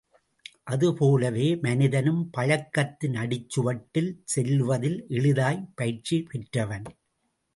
அதுபோலவே மனிதனும் பழக்கத்தின் அடிச்சுவட்டில் செல்லுவதில் எளிதாய் பயிற்சி பெற்றவன்.